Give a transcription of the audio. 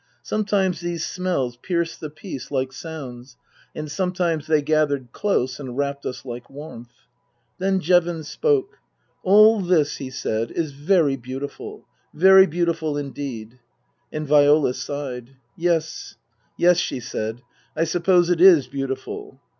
Some times these smells pierced the peace like sounds ; and sometimes they gathered close and wrapped us like warmth. Then Jevons spoke. " All this," he said, " is very beautiful. Very beautiful indeed." And Viola sighed. " Yes. Yes," she said. " I suppose it is beautiful."